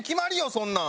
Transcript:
そんなん。